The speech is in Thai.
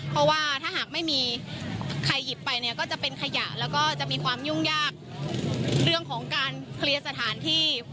เพราะว่าถ้าหากไม่มีใครหยิบไปเนี่ยก็จะเป็นขยะแล้วก็จะมีความยุ่งยากเรื่องของการเคลียร์สถานที่